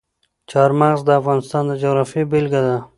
چار مغز د افغانستان د جغرافیې بېلګه ده.